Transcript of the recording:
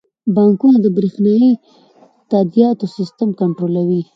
بانکونه د بریښنايي تادیاتو سیستم کنټرولوي.